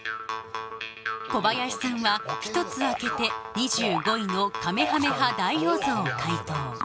小林さんは１つ空けて２５位の「カメハメハ大王像」を解答